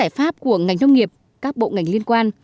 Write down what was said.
giải pháp của ngành nông nghiệp các bộ ngành liên quan